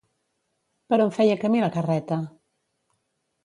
Per on feia camí la carreta?